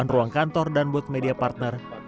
dua puluh delapan ruang kantor dan booth media partner